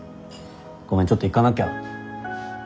ごめんちょっと行かなきゃ。